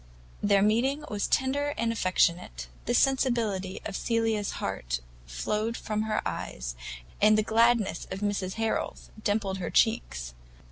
Their meeting was tender and affectionate; the sensibility of Cecilia's heart flowed from her eyes, and the gladness of Mrs Harrel's dimpled her cheeks.